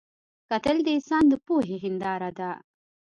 کتل د انسان د پوهې هنداره ده